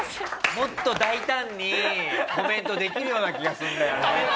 もっと大胆にコメントできるような気がするんだよね。